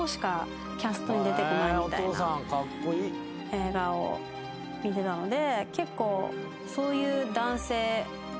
映画を見てたので結構。